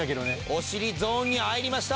おしりゾーンに入りました。